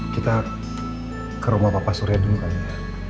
kita ke rumah bapak surya dulu kali ya